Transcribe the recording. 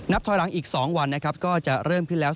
นับทอยล้างอีก๒วันก็จะเริ่มขึ้นแล้ว